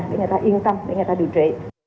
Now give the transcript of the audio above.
để người ta yên tâm để người ta điều trị